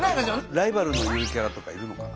ライバルのゆるキャラとかいるのかな。